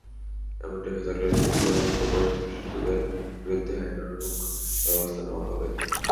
এমনটি হয়ে থাকলে বিষয়টি তদন্ত করে সংশ্লিষ্টদের বিরুদ্ধে আইনানুগ ব্যবস্থা নেওয়া হবে।